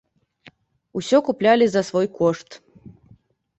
Усё куплялі за свой кошт.